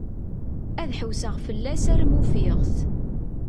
Ad ḥewseɣ fell-as arma ufiɣ-t.